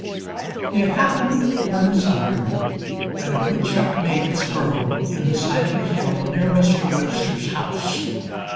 It happened one summer that a woodchuck made its burrow in the side of a hill near Mr. Webster's house.